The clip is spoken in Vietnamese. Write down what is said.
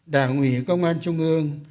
đảng ủy công an trung ương